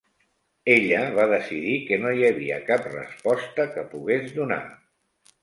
Ella va decidir que no hi havia cap resposta que pogués donar.